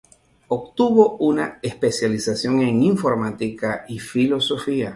Obtuvo una especialización en informática y filosofía.